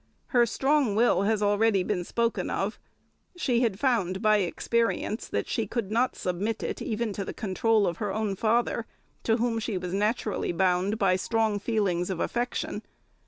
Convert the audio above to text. Her strong will has already been spoken of; she had found by experience that she could not submit it even to the control of her own father, to whom she was naturally bound by strong feelings of affection.